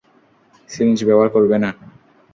Syringe ব্যবহার করবে না।